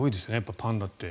パンダって。